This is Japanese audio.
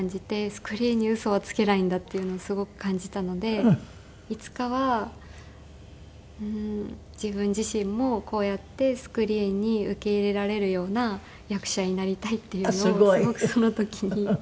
スクリーンにウソはつけないんだっていうのをすごく感じたのでいつかは自分自身もこうやってスクリーンに受け入れられるような役者になりたいっていうのをすごくその時に強く思いました。